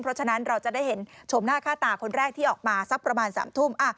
เพราะฉะนั้นเราจะได้เห็นชมหน้าค่าตาคนแรกที่ออกมาสักประมาณ๓ทุ่ม